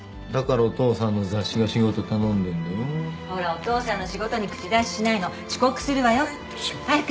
お父さんの仕事に口出ししないの。遅刻するわよ。早く。